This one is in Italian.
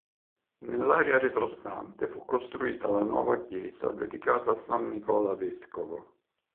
Nell'area retrostante fu costruita la nuova chiesa dedicata a San Nicola Vescovo.